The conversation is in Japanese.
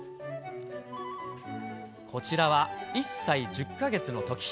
こちらは１歳１０か月のとき。